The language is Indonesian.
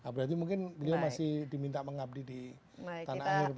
berarti mungkin beliau masih diminta mengabdi di tanah air